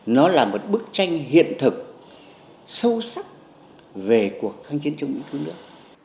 nó là một bức tranh hiện thực sâu sắc về cuộc kháng chiến chống mỹ cứu nước